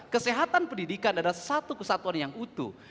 kesehatan pendidikan adalah satu kesatuan yang utuh